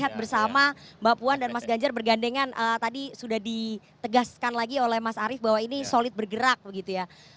kita lihat bersama mbak puan dan mas ganjar bergandengan tadi sudah ditegaskan lagi oleh mas arief bahwa ini solid bergerak begitu ya